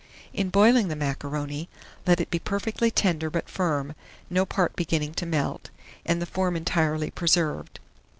In boiling the macaroni, let it be perfectly tender but firm, no part beginning to melt, and the form entirely preserved.